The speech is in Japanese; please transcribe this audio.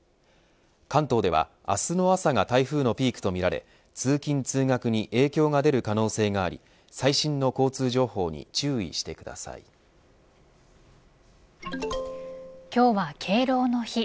関東では明日の朝が台風のピークとみられ通勤、通学に影響が出る可能性があり最新の交通情報に今日は敬老の日。